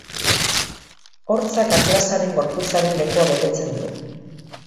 Hortzak atlasaren gorputzaren lekua betetzen du.